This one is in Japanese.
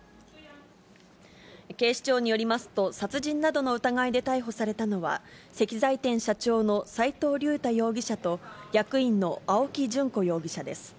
警視庁によりますと、殺人などの疑いで逮捕されたのは、石材店社長の斎藤竜太容疑者と役員の青木淳子容疑者です。